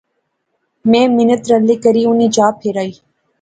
میں منت ترلے کری انیں چاء پیرائی